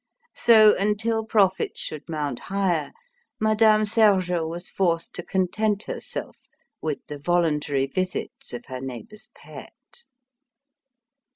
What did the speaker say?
So, until profits should mount higher, Madame Sergeot was forced to content herself with the voluntary visits of her neighbour's pet.